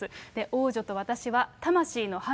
王女と私は、魂の伴侶。